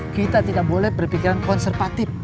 kita tidak boleh berpikiran konservatif